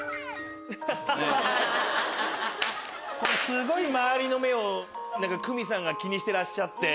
すごい周りの目をクミさんが気にしてらっしゃって。